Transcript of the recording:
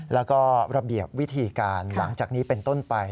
แล้วก็ระเบียบวิธีการหลังจากนี้เป็นต้นไป